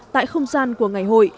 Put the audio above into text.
tại không gian của ngày hội